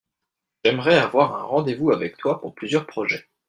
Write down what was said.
j'aimerais avoir un rendez-vous avec toi pour plusieurs projets.